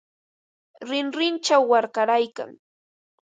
Rinrinchaw warkaraykan.